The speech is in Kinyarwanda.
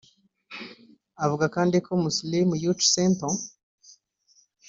avuga kandi ko “Muslim Youtch Center”